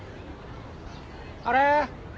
あれ？